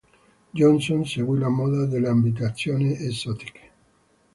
Johnson seguì la moda delle ambientazioni esotiche.